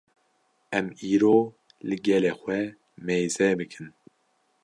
Em îro li gelê xwe mêze bikin